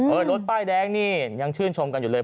รถป้ายแดงนี่ยังชื่นชมกันอยู่เลย